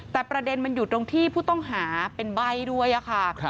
แต่ประเด็นมันอยู่ตรงที่ผู้ต้องหาเป็นใบ้ด้วยค่ะ